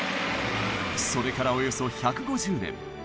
それからおよそ１５０年。